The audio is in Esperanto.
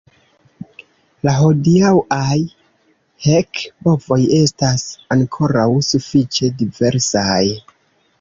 La hodiaŭaj hek-bovoj estas ankoraŭ sufiĉe diversaj.